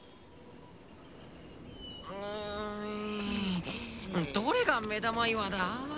うんどれがめだまいわだ？